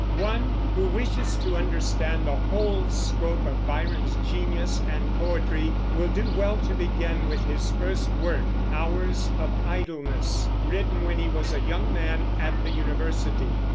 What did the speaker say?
One who wishes to understand the whole scope of Byron's genius and poetry will do well to begin with his first work, Hours of Idleness, written when he was a young man at the university.